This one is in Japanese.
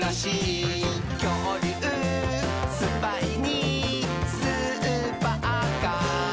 「きょうりゅうスパイにスーパーカー？」